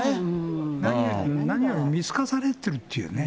何より見透かされてるっていうね。